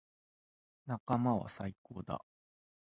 仲間は最高だ。